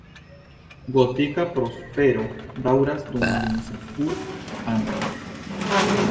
Gotika prospero daŭras dum Lucemburk-anoj.